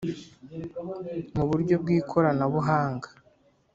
mu buryo bw ikoranabuhanga